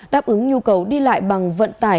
đáp ứng nhu cầu đi lại bằng vận tải